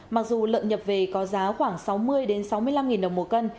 mặc dù lợn nhập về có giá khoảng sáu mươi sáu mươi năm nghìn đồng mỗi cân